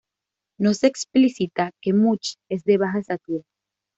No se explícita que Much es de baja estatura.